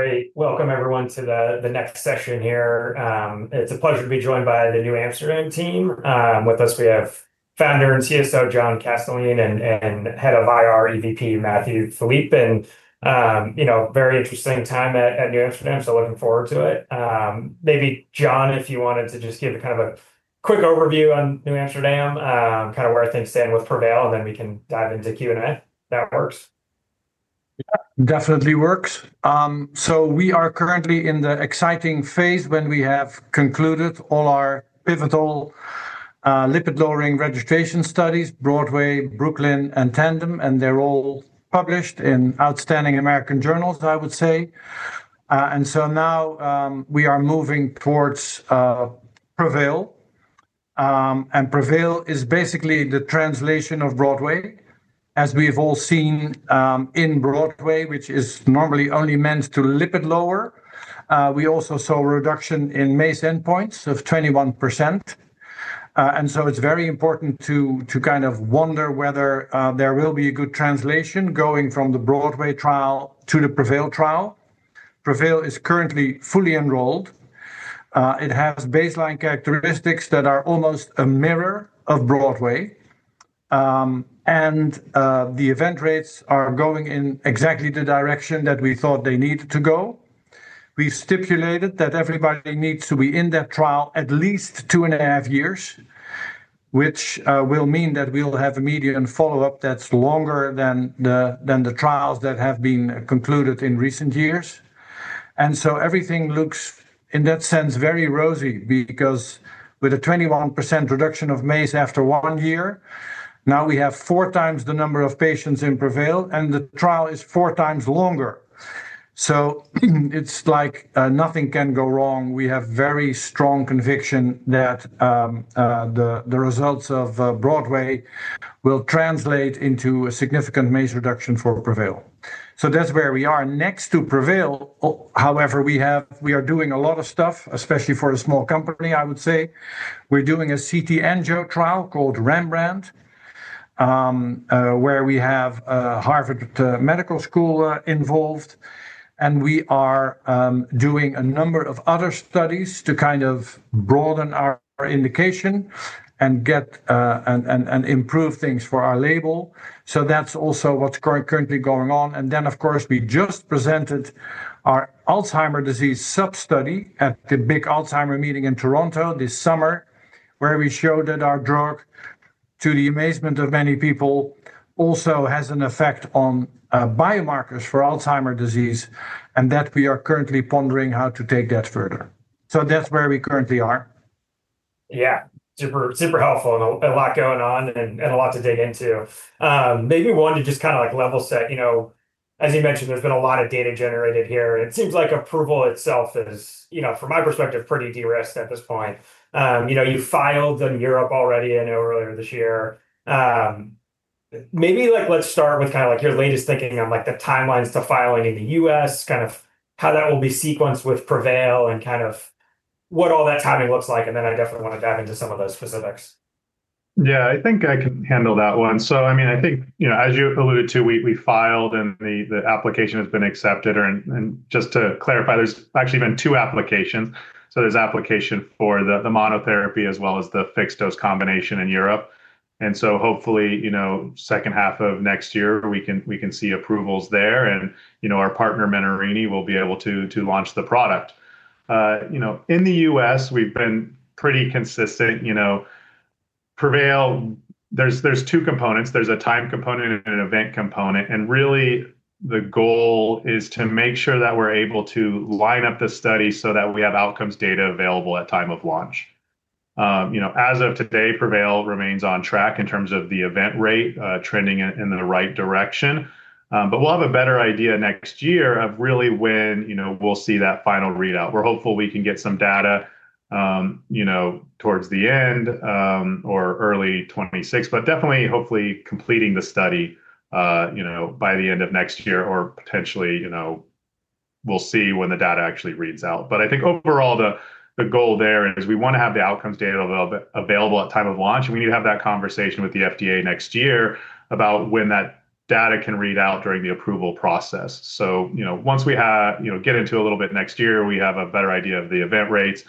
Great. Welcome everyone to the next session here. It's a pleasure to be joined by the NewAmsterdam team. With us we have Founder and CSO John Kastelein and Head of IR and EVP, Matthew Philippe. You know, very interesting time at NewAmsterdam, so looking forward to it. Maybe John, if you wanted to just give a kind of a quick overview on NewAmsterdam, kind of where things stand with PREVAIL, and then we can dive into Q&A if that works. Definitely works. We are currently in the exciting phase when we have concluded all our pivotal, lipid-lowering registration studies: BROADWAY, BROOKLYN, and TANDEM. They're all published in outstanding American journals, I would say. Now, we are moving towards PREVAIL. PREVAIL is basically the translation of BROADWAY. As we've all seen, in BROADWAY, which is normally only meant to lipid-lower, we also saw a reduction in MACE endpoints of 21%. It's very important to kind of wonder whether there will be a good translation going from the BROADWAY trial to the PREVAIL trial. PREVAIL is currently fully enrolled. It has baseline characteristics that are almost a mirror of BROADWAY, and the event rates are going in exactly the direction that we thought they needed to go. We've stipulated that everybody needs to be in that trial at least two and a half years, which will mean that we'll have a median follow-up that's longer than the trials that have been concluded in recent years. Everything looks, in that sense, very rosy because with a 21% reduction of MACE after one year, now we have four times the number of patients in PREVAIL, and the trial is four times longer. It's like nothing can go wrong. We have very strong conviction that the results of BROADWAY will translate into a significant MACE reduction for PREVAIL. That's where we are. Next to PREVAIL, however, we are doing a lot of stuff, especially for a small company, I would say. We're doing a CT angio trial called REMBRANDT, where we have Harvard Medical School involved. We are doing a number of other studies to kind of broaden our indication and improve things for our label. That's also what's currently going on. Of course, we just presented our Alzheimer’s disease biomarker sub-study at the big Alzheimer meeting in Toronto this summer, where we showed that our drug, to the amazement of many people, also has an effect on biomarkers for Alzheimer’s disease, and that we are currently pondering how to take that further. That's where we currently are. Yeah, super helpful and a lot going on and a lot to dig into. Maybe one to just kind of level set, you know, as you mentioned, there's been a lot of data generated here, and it seems like approval itself is, you know, from my perspective, pretty de-risked at this point. You know, you filed in Europe already, I know, earlier this year. Maybe let's start with kind of your latest thinking on the timelines to filing in the U.S., kind of how that will be sequenced with PREVAIL and what all that timing looks like. I definitely want to dive into some of those specifics. Yeah, I think I can handle that one. I mean, as you alluded to, we filed and the application has been accepted. Just to clarify, there's actually been two applications. There's application for the monotherapy as well as the fixed-dose combination in Europe. Hopefully, second half of next year, we can see approvals there. Our partner Menarini will be able to launch the product. In the U.S., we've been pretty consistent. PREVAIL, there's two components. There's a time component and an event component. Really, the goal is to make sure that we're able to line up the study so that we have outcomes data available at time of launch. As of today, PREVAIL remains on track in terms of the event rate, trending in the right direction. We'll have a better idea next year of really when we'll see that final readout. We're hopeful we can get some data towards the end, or early 2026, but definitely hopefully completing the study by the end of next year or potentially, we'll see when the data actually reads out. I think overall the goal there is we want to have the outcomes data available at time of launch. We need to have that conversation with the FDA next year about when that data can read out during the approval process. Once we get into a little bit next year, we have a better idea of the event rates,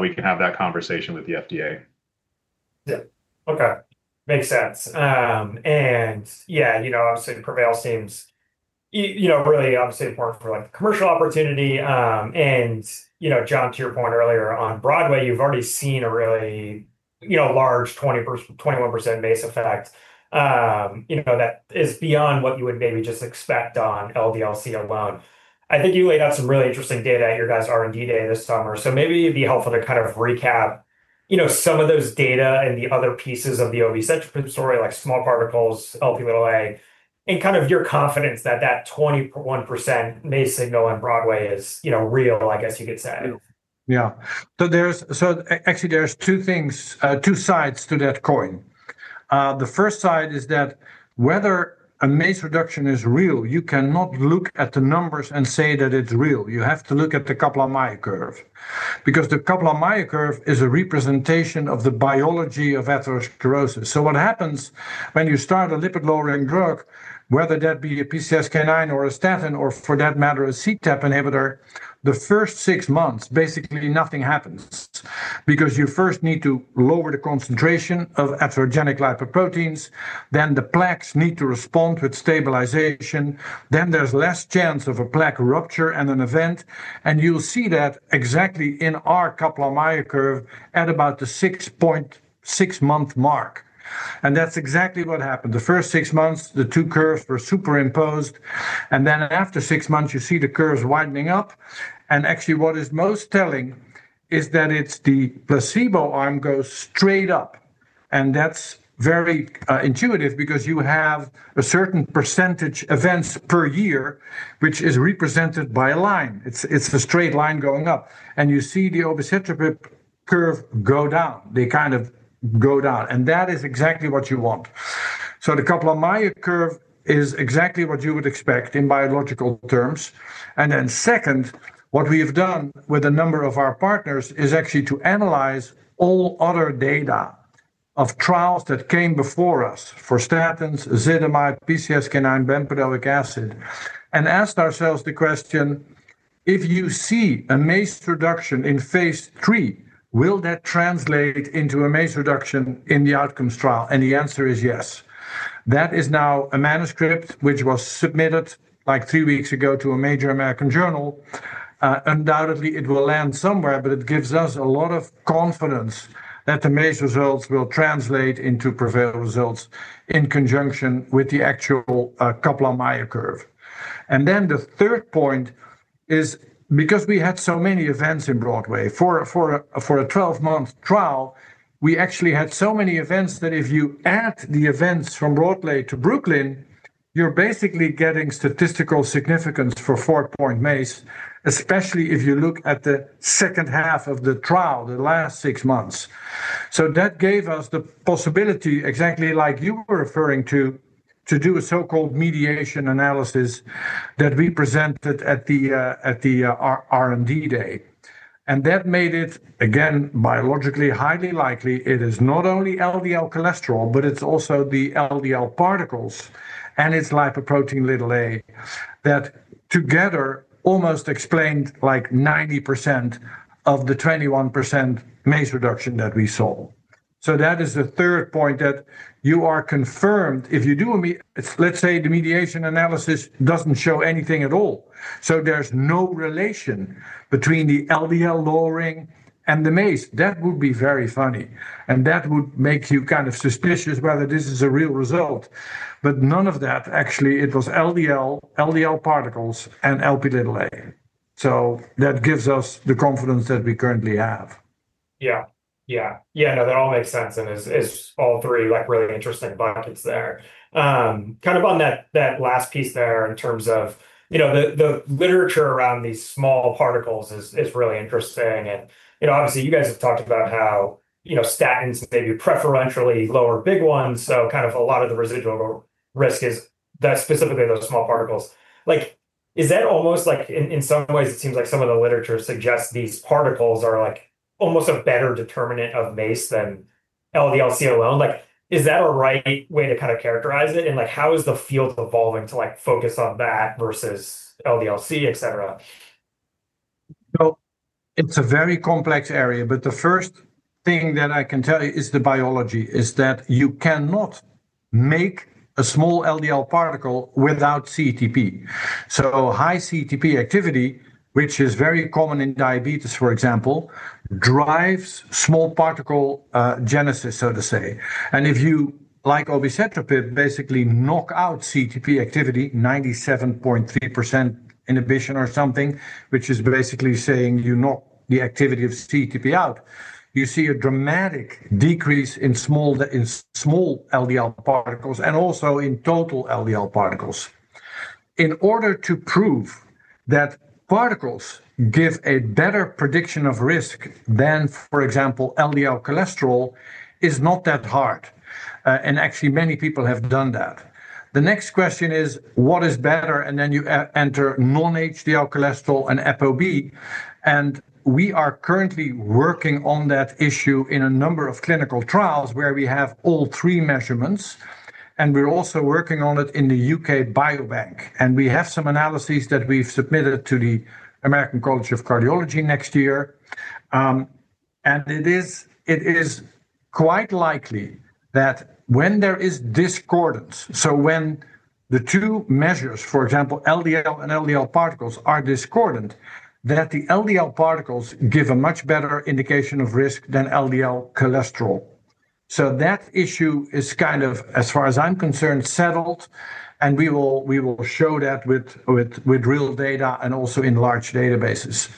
we can have that conversation with the FDA. Yeah. Okay. Makes sense. Yeah, you know, obviously PREVAIL seems, you know, really obviously important for the commercial opportunity. You know, John, to your point earlier on BROADWAY, you've already seen a really, you know, large 21% MACE effect, you know, that is beyond what you would maybe just expect on LDL-C alone. I think you laid out some really interesting data at your guys' R&D day this summer. Maybe it'd be helpful to kind of recap, you know, some of those data and the other pieces of the obicetrapib story like small particles, Lp(a), and kind of your confidence that that 21% MACE signal on BROADWAY is, you know, real, I guess you could say. Yeah. So actually there's two things, two sides to that coin. The first side is that whether a MACE reduction is real, you cannot look at the numbers and say that it's real. You have to look at the Kaplan-Meier curve because the Kaplan-Meier curve is a representation of the biology of atherosclerosis. What happens when you start a lipid-lowering drug, whether that be a PCSK9 or a statin or for that matter, a CETP inhibitor, the first six months, basically nothing happens because you first need to lower the concentration of atherogenic lipoproteins. Then the plaques need to respond with stabilization. Then there's less chance of a plaque rupture and an event. You'll see that exactly in our Kaplan-Meier curve at about the six-month mark. That's exactly what happened. The first six months, the two curves were superimposed. After six months, you see the curves widening up. What is most telling is that it's the placebo arm that goes straight up. That's very intuitive because you have a certain percentage events per year, which is represented by a line. It's a straight line going up. You see the obicetrapib curve go down. They kind of go down. That is exactly what you want. The Kaplan-Meier curve is exactly what you would expect in biological terms. Second, what we've done with a number of our partners is actually to analyze all other data of trials that came before us for statins, ezetimibe, PCSK9 inhibitors, bempedoic acid, and asked ourselves the question, if you see a MACE reduction in phase III, will that translate into a MACE reduction in the outcomes trial? The answer is yes. That is now a manuscript which was submitted like three weeks ago to a major American journal. Undoubtedly, it will land somewhere, but it gives us a lot of confidence that the MACE results will translate into PREVAIL results in conjunction with the actual Kaplan-Meier curve. The third point is because we had so many events in BROADWAY. For a 12-month trial, we actually had so many events that if you add the events from BROADWAY to BROOKLYN, you're basically getting statistical significance for four-point MACE, especially if you look at the second half of the trial, the last six months. That gave us the possibility, exactly like you were referring to, to do a so-called mediation analysis that we presented at the R&D day. That made it, again, biologically highly likely. It is not only LDL cholesterol, but it's also the LDL particles and its lipoprotein(a) that together almost explained like 90% of the 21% MACE reduction that we saw. That is the third point that you are confirmed if you do, let's say, the mediation analysis doesn't show anything at all. There's no relation between the LDL lowering and the MACE. That would be very funny. That would make you kind of suspicious whether this is a real result. None of that actually, it was LDL, LDL particles, and Lp(a). That gives us the confidence that we currently have. Yeah. No, that all makes sense. It's all three really interesting buckets there. On that last piece in terms of the literature around these small LDL particles, it is really interesting. Obviously, you guys have talked about how statins may preferentially lower big ones, so a lot of the residual cardiovascular risk is specifically those small particles. Is that almost, in some ways, like some of the literature suggests these particles are almost a better determinant of MACE than LDL-C alone? Is that a right way to characterize it, and how is the field evolving to focus on that versus LDL-C, et cetera? It's a very complex area, but the first thing that I can tell you is the biology is that you cannot make a small LDL particle without CETP. High CETP activity, which is very common in diabetes, for example, drives small particle genesis, so to say. If you, like obicetrapib, basically knock out CETP activity, 97.3% inhibition or something, which is basically saying you knock the activity of CETP out, you see a dramatic decrease in small LDL particles and also in total LDL particles. In order to prove that particles give a better prediction of risk than, for example, LDL cholesterol is not that hard. Actually, many people have done that. The next question is, what is better? You enter non-HDL cholesterol and ApoB. We are currently working on that issue in a number of clinical trials where we have all three measurements. We're also working on it in the UK Biobank. We have some analyses that we've submitted to the American College of Cardiology next year. It is quite likely that when there is discordance, so when the two measures, for example, LDL and LDL particles are discordant, the LDL particles give a much better indication of risk than LDL cholesterol. That issue is kind of, as far as I'm concerned, settled. We will show that with real data and also in large databases.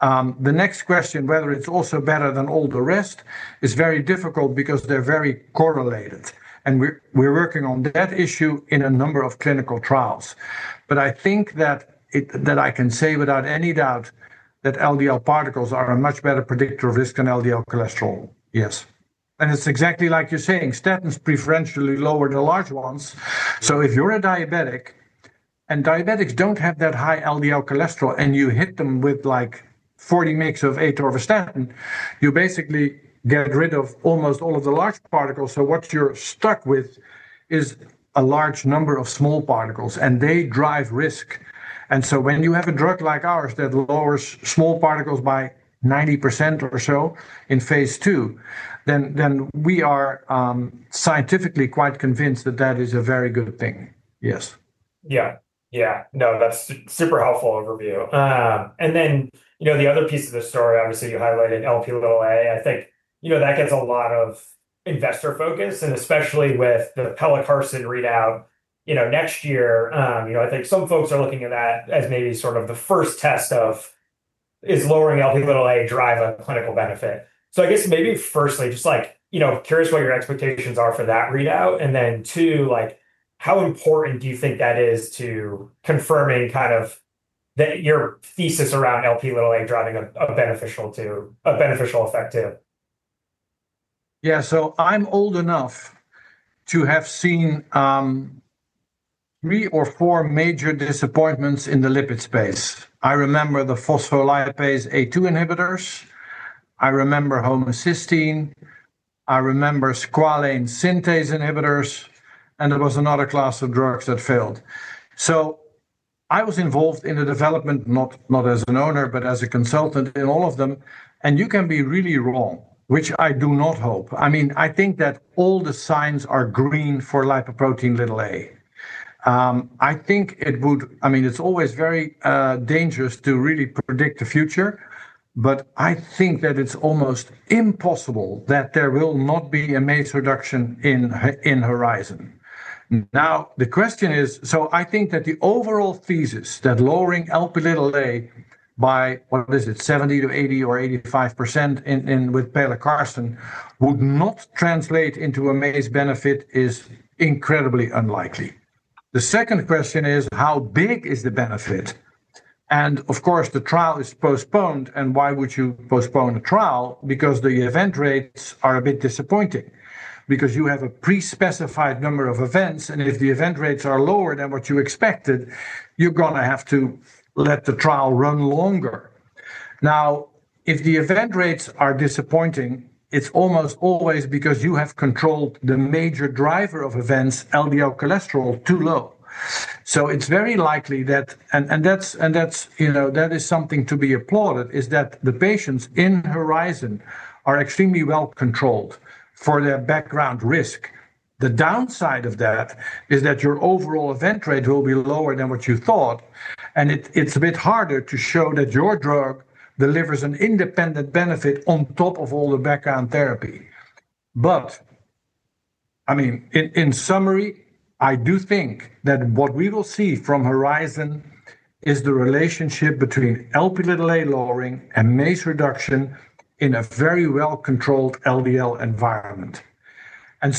The next question, whether it's also better than all the rest, is very difficult because they're very correlated. We're working on that issue in a number of clinical trials. I think that I can say without any doubt that LDL particles are a much better predictor of risk than LDL cholesterol. Yes. It's exactly like you're saying, statins preferentially lower the large ones. If you're a diabetic and diabetics don't have that high LDL cholesterol and you hit them with like 40 mg of atorvastatin, you basically get rid of almost all of the large particles. What you're stuck with is a large number of small particles and they drive risk. When you have a drug like ours that lowers small particles by 90% or so in phase II, we are scientifically quite convinced that that is a very good thing. Yes. Yeah. Yeah. No, that's super helpful overview. And then, you know, the other piece of the story, obviously, you highlighted Lp(a). I think, you know, that gets a lot of investor focus and especially with the pelacarsen readout, you know, next year. I think some folks are looking at that as maybe sort of the first test of is lowering Lp(a) drive a clinical benefit. I guess maybe firstly, just like, you know, curious what your expectations are for that readout. And then two, how important do you think that is to confirming kind of that your thesis around Lp(a) driving a beneficial effect? Yeah. I'm old enough to have seen three or four major disappointments in the lipid space. I remember the phospholipase A2 inhibitors. I remember homocysteine. I remember squalene synthase inhibitors. There was another class of drugs that failed. I was involved in the development, not as an owner, but as a consultant in all of them. You can be really wrong, which I do not hope. I think that all the signs are green for lipoprotein(a). I think it would, I mean, it's always very dangerous to really predict the future. I think that it's almost impossible that there will not be a MACE reduction in HORIZON. The question is, I think that the overall thesis that lowering lipoprotein(a) by, what is it, 70%-80% or 85% with pelacarsen would not translate into a MACE benefit is incredibly unlikely. The second question is, how big is the benefit? Of course, the trial is postponed. Why would you postpone a trial? Because the event rates are a bit disappointing. You have a pre-specified number of events, and if the event rates are lower than what you expected, you're going to have to let the trial run longer. If the event rates are disappointing, it's almost always because you have controlled the major driver of events, LDL cholesterol, too low. It's very likely that, and that is something to be applauded, the patients in HORIZON are extremely well controlled for their background risk. The downside of that is that your overall event rate will be lower than what you thought. It's a bit harder to show that your drug delivers an independent benefit on top of all the background therapy. In summary, I do think that what we will see from HORIZON is the relationship between Lp(a) lowering and MACE reduction in a very well-controlled LDL environment.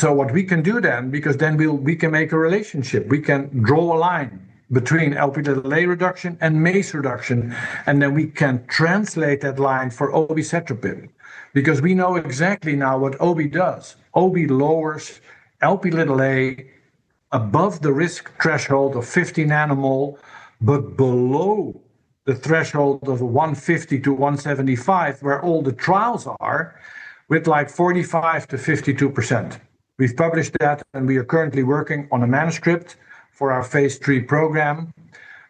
What we can do then, because then we can make a relationship, we can draw a line between Lp(a) reduction and MACE reduction. Then we can translate that line for obicetrapib because we know exactly now what obicetrapib does. Obicetrapib lowers Lp(a) above the risk threshold of 15 nmol but below the threshold of 150-175, where all the trials are, with like 45%-52%. We've published that and we are currently working on a manuscript for our phase III program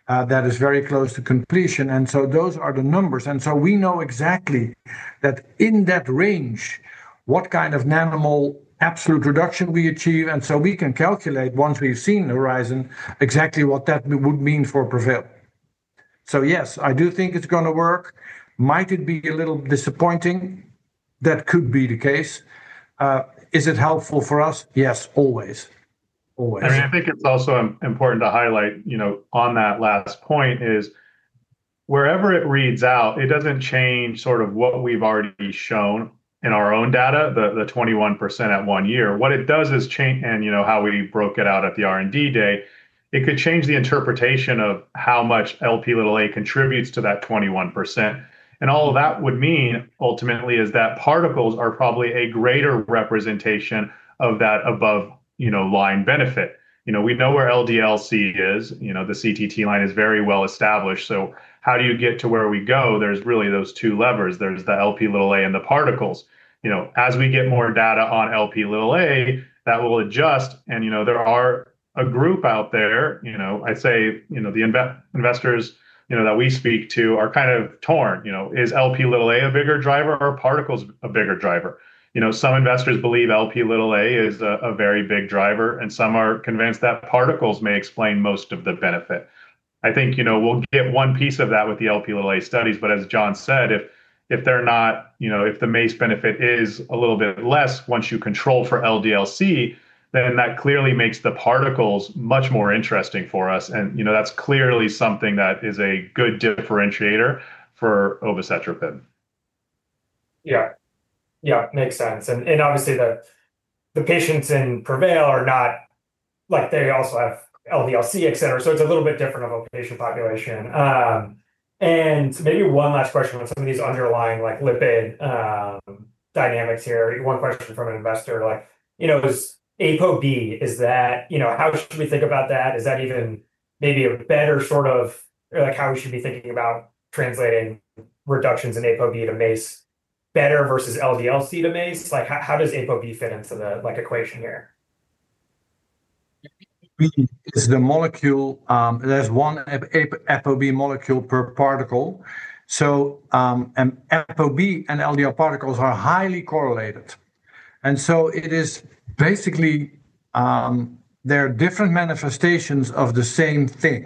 that is very close to completion. Those are the numbers. We know exactly that in that range, what kind of nanomol absolute reduction we achieve, and we can calculate once we've seen the HORIZON exactly what that would mean for PREVAIL. Yes, I do think it's going to work. Might it be a little disappointing? That could be the case. Is it helpful for us? Yes, always. Always. I mean, I think it's also important to highlight, you know, on that last point, wherever it reads out, it doesn't change what we've already shown in our own data, the 21% at one year. What it does is change, and you know how we broke it out at the R&D day, it could change the interpretation of how much Lp(a) contributes to that 21%. All of that would mean ultimately is that particles are probably a greater representation of that above, you know, line benefit. We know where LDL-C is. The CTT line is very well established. How do you get to where we go? There are really those two levers. There's the Lp(a) and the particles. As we get more data on Lp(a), that will adjust. There are a group out there, I'd say, the investors that we speak to are kind of torn. Is Lp(a) a bigger driver or are particles a bigger driver? Some investors believe Lp(a) is a very big driver, and some are convinced that particles may explain most of the benefit. I think we'll get one piece of that with the Lp(a) studies. As John said, if they're not, if the MACE benefit is a little bit less once you control for LDL-C, then that clearly makes the particles much more interesting for us. That's clearly something that is a good differentiator for obicetrapib. Yeah, makes sense. Obviously, the patients in PREVAIL are not like they also have LDL-C, et cetera. It's a little bit different of a patient population. Maybe one last question on some of these underlying lipid dynamics here. One question from an investor, you know, this ApoB, is that, you know, how should we think about that? Is that even maybe a better sort of like how we should be thinking about translating reductions in ApoB to MACE better versus LDL-C to MACE? How does ApoB fit into the equation here? Because the molecule, there's one ApoB molecule per particle. ApoB and LDL particles are highly correlated, so it is basically, there are different manifestations of the same thing.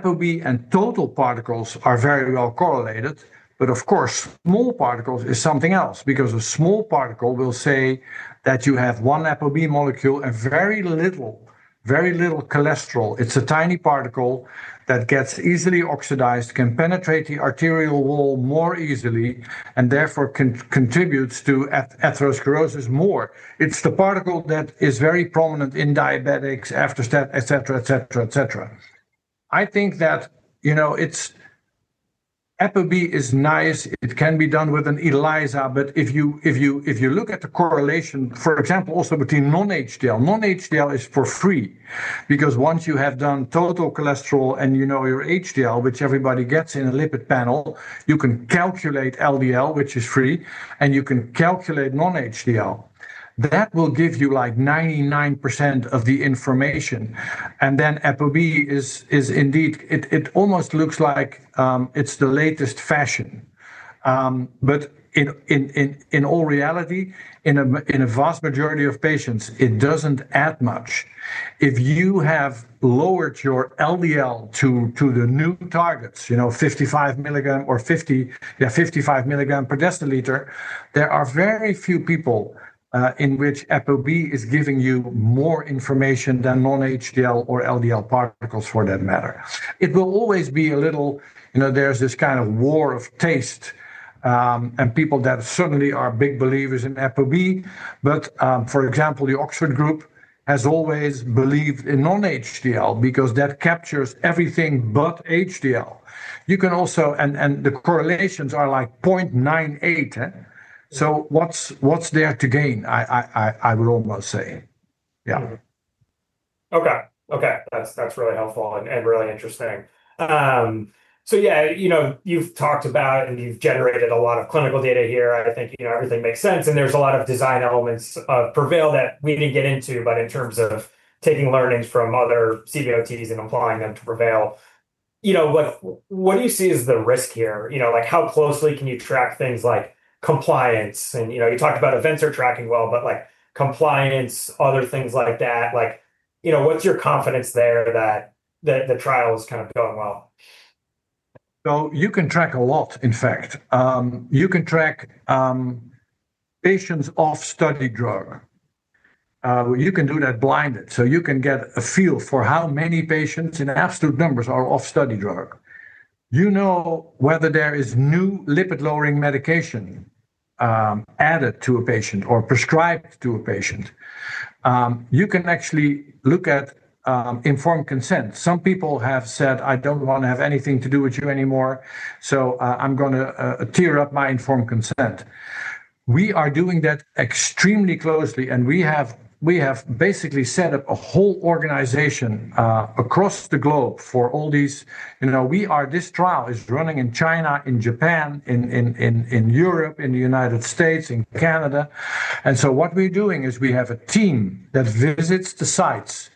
ApoB and total particles are very well correlated, but of course, small particles are something else because a small particle will say that you have one ApoB molecule and very little, very little cholesterol. It's a tiny particle that gets easily oxidized, can penetrate the arterial wall more easily, and therefore contributes to atherosclerosis more. It's the particle that is very prominent in diabetics, after that, et cetera, et cetera, et cetera. I think that, you know, ApoB is nice. It can be done with an ELISA. If you look at the correlation, for example, also between non-HDL. Non-HDL is for free because once you have done total cholesterol and you know your HDL, which everybody gets in a lipid panel, you can calculate LDL, which is free, and you can calculate non-HDL. That will give you like 99% of the information. ApoB is indeed, it almost looks like it's the latest fashion, but in all reality, in a vast majority of patients, it doesn't add much. If you have lowered your LDL to the new targets, you know, 55 mg or 50, yeah, 55 mg per dL, there are very few people in which ApoB is giving you more information than non-HDL or LDL particles for that matter. It will always be a little, you know, there's this kind of war of taste, and people that certainly are big believers in ApoB. For example, the Oxford group has always believed in non-HDL because that captures everything but HDL. You can also, and the correlations are like 0.98. What's there to gain, I would almost say. Yeah. Okay. That's really helpful and really interesting. You've talked about and you've generated a lot of clinical data here. I think everything makes sense. There's a lot of design elements of PREVAIL that we didn't get into, but in terms of taking learnings from other cardiovascular outcomes trials and applying them to PREVAIL, what do you see as the risk here? How closely can you track things like compliance? You talked about events are tracking well, but compliance, other things like that, what's your confidence there that the trial is kind of going well? You can track a lot, in fact. You can track patients off study drug. You can do that blinded. You can get a feel for how many patients in absolute numbers are off study drug. You know whether there is new lipid-lowering medication added to a patient or prescribed to a patient. You can actually look at informed consent. Some people have said, "I don't want to have anything to do with you anymore. I'm going to tear up my informed consent." We are doing that extremely closely. We have basically set up a whole organization across the globe for all these. This trial is running in China, in Japan, in Europe, in the United States, in Canada. What we're doing is we have a team that visits the sites,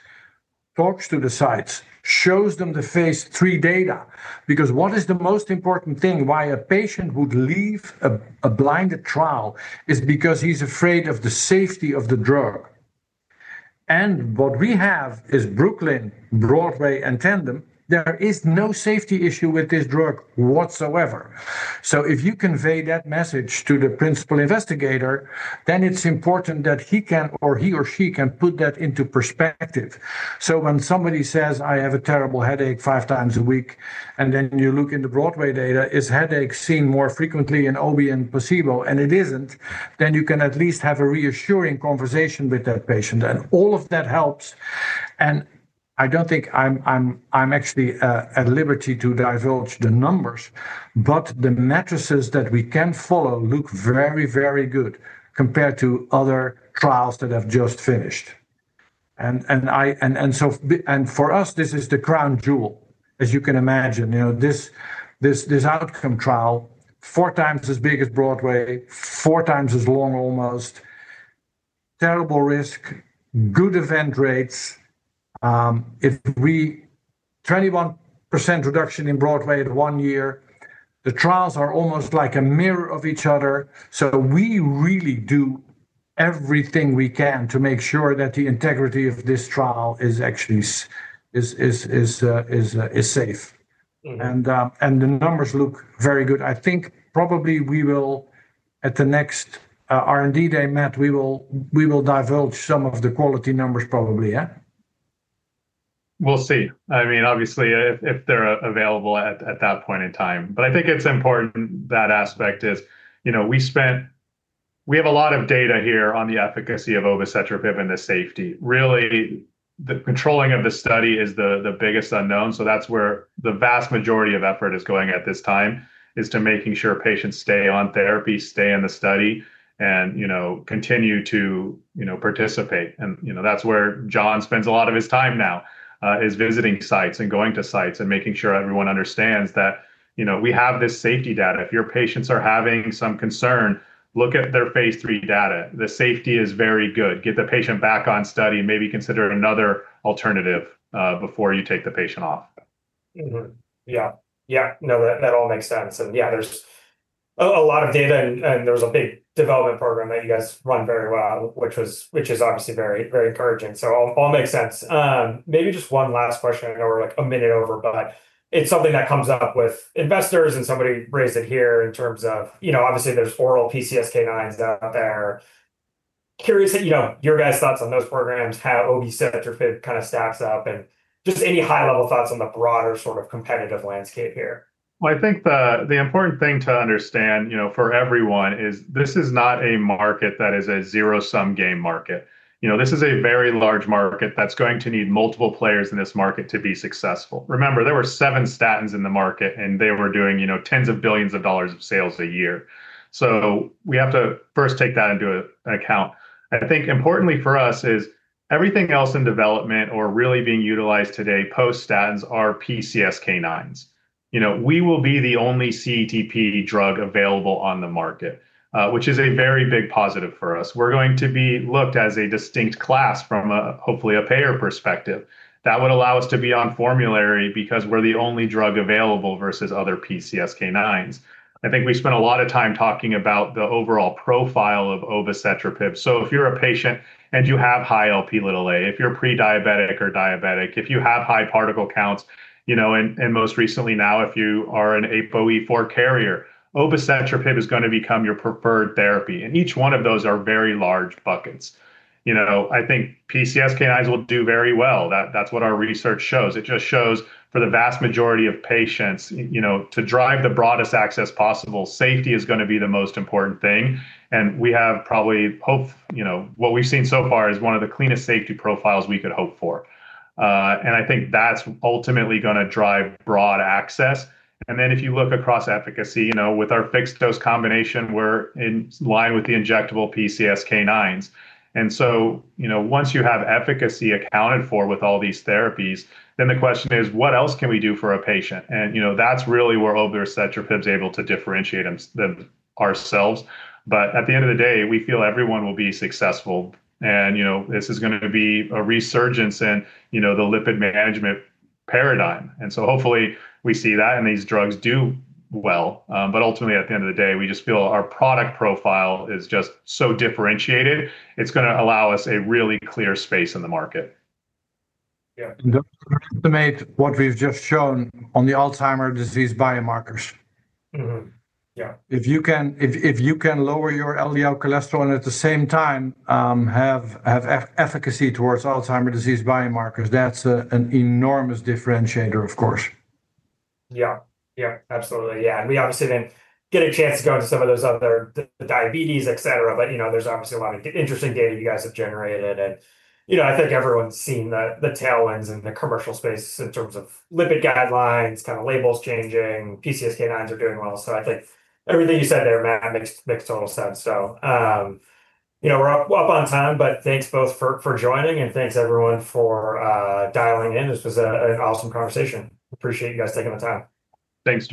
talks to the sites, shows them the phase III data. The most important thing, why a patient would leave a blinded trial, is because he's afraid of the safety of the drug. What we have is BROOKLYN, BROADWAY, and TANDEM. There is no safety issue with this drug whatsoever. If you convey that message to the principal investigator, then it's important that he or she can put that into perspective. When somebody says, "I have a terrible headache five times a week," and then you look in the BROADWAY data, is headache seen more frequently in OB and placebo? If it isn't, then you can at least have a reassuring conversation with that patient. All of that helps. I don't think I'm actually at liberty to divulge the numbers, but the matrices that we can follow look very, very good compared to other trials that have just finished. For us, this is the crown jewel, as you can imagine. This outcome trial, 4x as big as BROADWAY, four times as long, almost terrible risk, good event rates. If we have 21% reduction in BROADWAY at one year, the trials are almost like a mirror of each other. We really do everything we can to make sure that the integrity of this trial is safe. The numbers look very good. I think probably we will at the next R&D day, Matt, divulge some of the quality numbers probably. We'll see. I mean, obviously, if they're available at that point in time. I think it's important that aspect is, you know, we spent we have a lot of data here on the efficacy of obicetrapib and the safety. Really, the controlling of the study is the biggest unknown. That's where the vast majority of effort is going at this time, is to making sure patients stay on therapy, stay in the study, and, you know, continue to participate. That's where John spends a lot of his time now, is visiting sites and going to sites and making sure everyone understands that, you know, we have this safety data. If your patients are having some concern, look at their phase III data. The safety is very good. Get the patient back on study and maybe consider another alternative before you take the patient off. Yeah. Yeah. No, that all makes sense. There's a lot of data and there's a big development program that you guys run very well, which is obviously very encouraging. It all makes sense. Maybe just one last question. I know we're like a minute over, but it's something that comes up with investors and somebody raised it here in terms of, you know, obviously there's four old PCSK9 inhibitors out there. Curious, you know, your guys' thoughts on those programs, how obicetrapib kind of stacks up, and just any high-level thoughts on the broader sort of competitive landscape here. I think the important thing to understand, you know, for everyone is this is not a market that is a zero-sum game market. You know, this is a very large market that's going to need multiple players in this market to be successful. Remember, there were seven statins in the market and they were doing, you know, tens of billions of dollars of sales a year. We have to first take that into account. I think importantly for us is everything else in development or really being utilized today post-statins are PCSK9s. We will be the only CETP drug available on the market, which is a very big positive for us. We're going to be looked at as a distinct class from, hopefully, a payer perspective. That would allow us to be on formulary because we're the only drug available versus other PCSK9s. I think we spent a lot of time talking about the overall profile of obicetrapib. If you're a patient and you have high Lp(a), if you're pre-diabetic or diabetic, if you have high particle counts, you know, and most recently now if you are an ApoE4 carrier, obicetrapib is going to become your preferred therapy. Each one of those are very large buckets. I think PCSK9s will do very well. That's what our research shows. It just shows for the vast majority of patients, you know, to drive the broadest access possible, safety is going to be the most important thing. We have probably hoped, you know, what we've seen so far is one of the cleanest safety profiles we could hope for. I think that's ultimately going to drive broad access. If you look across efficacy, you know, with our fixed-dose combination, we're in line with the injectable PCSK9s. Once you have efficacy accounted for with all these therapies, then the question is, what else can we do for a patient? You know, that's really where obicetrapib is able to differentiate ourselves. At the end of the day, we feel everyone will be successful. You know, this is going to be a resurgence in, you know, the lipid management paradigm. Hopefully we see that and these drugs do well. Ultimately, at the end of the day, we just feel our product profile is just so differentiated, it's going to allow us a really clear space in the market. Yeah. To mate what we've just shown on the Alzheimer’s disease biomarker sub-study. Yeah. If you can lower your LDL cholesterol and at the same time have efficacy towards Alzheimer’s disease biomarkers, that's an enormous differentiator, of course. Yeah, absolutely. We obviously didn't get a chance to go into some of those other diabetes, et cetera, but you know, there's obviously a lot of interesting data you guys have generated. I think everyone's seen the tailwinds in the commercial space in terms of lipid guidelines, kind of labels changing, PCSK9s are doing well. I think everything you said there, Matt, makes total sense. We're up on time, but thanks both for joining and thanks everyone for dialing in. This was an awesome conversationf. Appreciate you guys taking the time. Thanks.